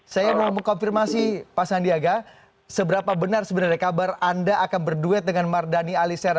saya mau mengkonfirmasi pak sandiaga seberapa benar sebenarnya kabar anda akan berduet dengan mardhani alisera